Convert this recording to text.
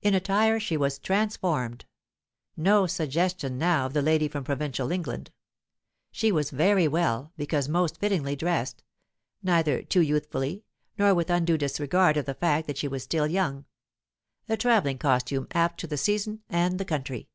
In attire she was transformed. No suggestion now of the lady from provincial England. She was very well, because most fittingly, dressed; neither too youthfully, nor with undue disregard of the fact that she was still young; a travelling costume apt to the season and the country.